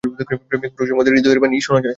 প্রেমিক পুরুষের মধ্যে হৃদয়েরই বাণী শোনা যায়।